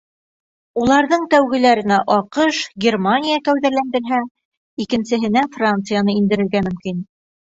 Уларҙың тәүгеләрен АҠШ, Германия кәүҙәләндерһә, икенсеһенә Францияны индерергә мөмкин.